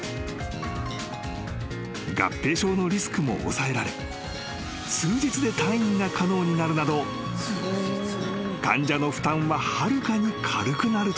［合併症のリスクも抑えられ数日で退院が可能になるなど患者の負担ははるかに軽くなるという］